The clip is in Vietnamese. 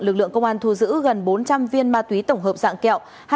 lực lượng công an thu giữ gần bốn trăm linh viên ma túy tổng hợp dạng kẹo